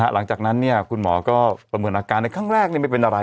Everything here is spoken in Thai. หลังจากนั้นคุณหมอก็ประเมินอาการในครั้งแรกไม่เป็นอะไร